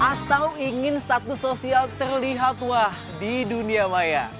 atau ingin status sosial terlihat wah di dunia maya